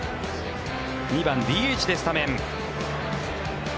２番ＤＨでスタメン。